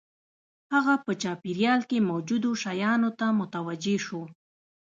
هغه په چاپېريال کې موجودو شیانو ته متوجه شو